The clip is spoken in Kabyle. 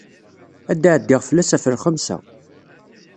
Ad d-ɛeddiɣ fell-as ɣef lxemsa.